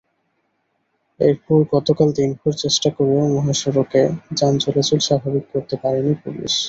এরপর গতকাল দিনভর চেষ্টা করেও মহাসড়কে যানচলাচল স্বাভাবিক করতে পারেনি পুলিশ।